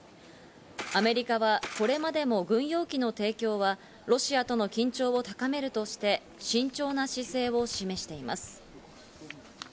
アメリカはこれまでも軍用機の提供はロシアとの緊張を高めるとして慎重な姿勢を示しています。